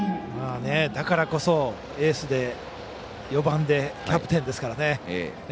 だからこそエースで４番でキャプテンですからね。